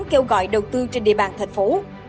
kêu gọi đầu tư trên địa bàn thành phố